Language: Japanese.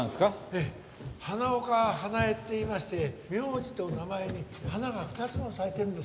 ええ花岡花枝っていいまして名字と名前に花が２つも咲いてるんですよ。